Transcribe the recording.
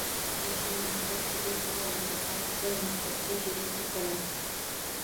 “Yashil maktab” direktori o‘rinbosari “Qizil maktab”ga direktor bo‘ladi